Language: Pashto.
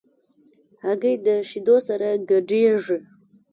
هګۍ د شیدو سره ګډېږي.